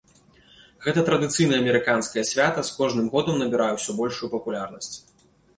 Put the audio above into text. Гэтае традыцыйнае амерыканскае свята з кожным годам набірае ўсё большую папулярнасць.